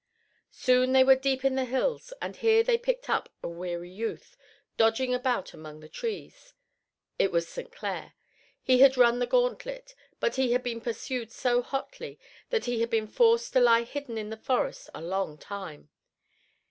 Soon they were deep in the hills and here they picked up a weary youth, dodging about among the trees. It was St. Clair. He had run the gauntlet, but he had been pursued so hotly that he had been forced to lie hidden in the forest a long time.